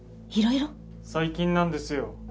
最近なんですよ